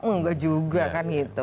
enggak juga kan gitu